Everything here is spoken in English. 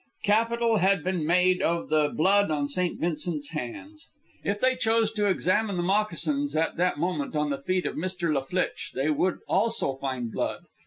Capital had been made out of the blood on St. Vincent's hands. If they chose to examine the moccasins at that moment on the feet of Mr. La Flitche, they would also find blood.